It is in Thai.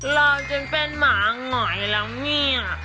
รอจนเป็นหมาหงอยแล้วเนี่ย